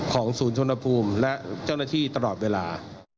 ศูนย์ชนภูมิและเจ้าหน้าที่ตลอดเวลา